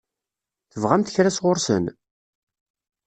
Tebɣamt kra sɣur-sen?